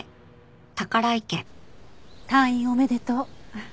退院おめでとう。